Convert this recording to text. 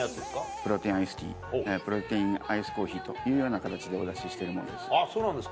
プロテイン・アイスティープロテイン・アイスコーヒーというような形でお出ししてるものです。